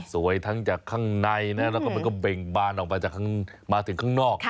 ทั้งจากข้างในนะแล้วก็มันก็เบ่งบานออกมาจากมาถึงข้างนอก